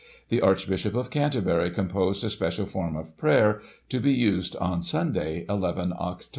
The Archbishop of Canterbury composed a Special Form of Prayer, to be used on Sunday, 11 Oct.